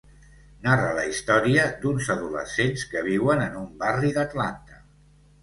Narra la història d'uns adolescents que viuen en un barri d'Atlanta.